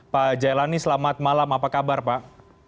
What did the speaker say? pak jailani selamat malam apa kabar pak